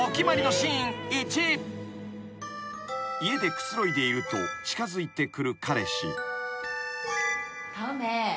［家でくつろいでいると近づいてくる彼氏］